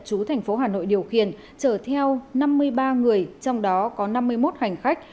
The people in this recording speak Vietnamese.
chú thành phố hà nội điều khiển chở theo năm mươi ba người trong đó có năm mươi một hành khách